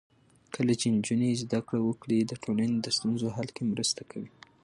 کله چې نجونې زده کړه وکړي، د ټولنې د ستونزو حل کې مرسته کوي.